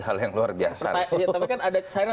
hal yang luar biasa